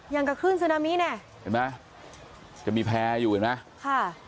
ยังกระคลื่นสุนามีแน่จะมีแพร่อยู่เห็นไหม